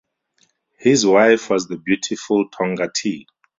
His wife was the beautiful Tongatea.